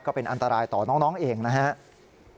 ก็เป็นอันตรายต่อน้องเองนะครับ